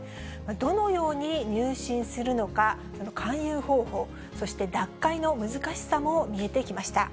どのように入信するのか、勧誘方法、そして脱会の難しさも見えてきました。